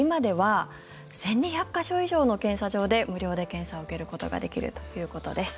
今では１２００か所以上の検査場で無料で検査を受けることができるということです。